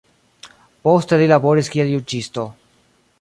Poste li laboris kiel juĝisto.